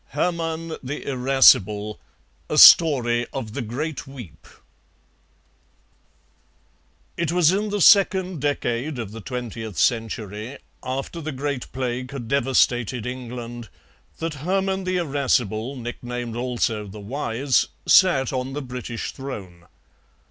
HERMANN THE IRASCIBLE A STORY OF THE GREAT WEEP It was in the second decade of the twentieth century, after the Great Plague had devastated England, that Hermann the Irascible, nicknamed also the Wise, sat on the British throne.